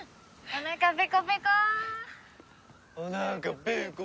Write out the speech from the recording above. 「おなかペコペコ！」